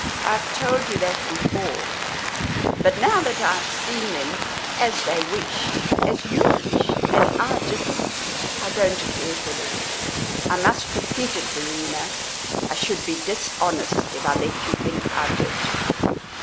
I have told you that before; but now that I have seen them as they wished, as you wished, and I didn't I don't care for them; I must repeat it, Verena. I should be dishonest if I let you think I did."